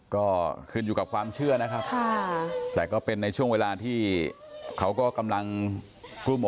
ก็ขึ้นอยู่กับความเชื่อนะครับแต่ก็เป็นในช่วงเวลาที่เขาก็กำลังกลุ้ม